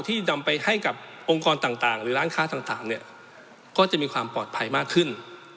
นำไปให้กับองค์กรต่างหรือร้านค้าต่างเนี่ยก็จะมีความปลอดภัยมากขึ้น